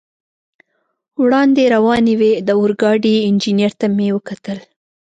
وړاندې روانې وې، د اورګاډي انجنیر ته مې وکتل.